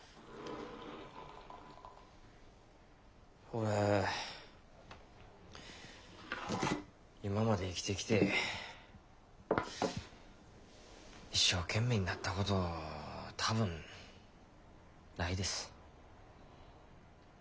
俺今まで生きてきて一生懸命になったこと多分ないです。